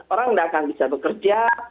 orang tidak akan bisa bekerja